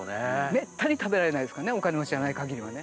めったに食べられないですからねお金持ちじゃないかぎりはね。